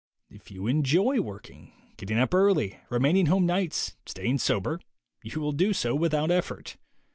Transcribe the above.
If you enjoy working, getting up early, remaining home nights, staying sober, you will do so without effort.